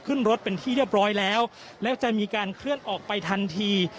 ขึ้นรถเป็นที่เรียบร้อยแล้วแล้วจะมีการเคลื่อนออกไปทันที